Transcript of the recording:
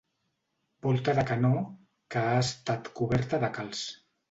Volta de canó que ha estat coberta de calç.